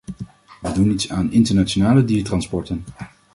We doen iets aan internationale diertransporten.